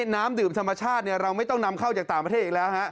น้ำดื่มธรรมชาติเราไม่ต้องนำเข้าจากต่างประเทศอีกแล้วฮะ